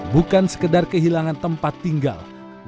bukan sekedar kehilangan tempat tinggal